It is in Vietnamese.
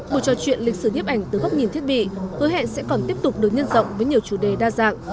buổi trò chuyện lịch sử nhiếp ảnh từ góc nhìn thiết bị hứa hẹn sẽ còn tiếp tục được nhân rộng với nhiều chủ đề đa dạng